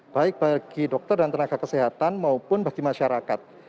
baik bagi dokter dan tenaga kesehatan maupun bagi masyarakat